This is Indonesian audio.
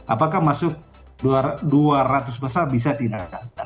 apakah masuk dua ratus besar bisa dinagakan